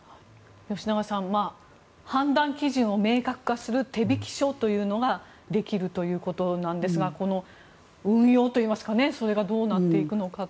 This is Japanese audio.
吉永さん、判断基準を明確化する手引き書というのができるということなんですがこの運用といいますかそれがどうなっていくのかという。